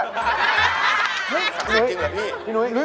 สักทีจริงหรือพี่